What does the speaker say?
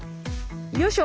よいしょ。